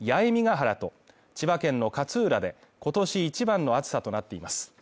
原と千葉県の勝浦で今年一番の暑さとなっています